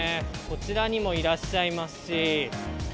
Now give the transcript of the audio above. こちらにもいらっしゃいますし。